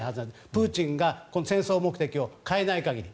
プーチンが戦争目的を変えない限り。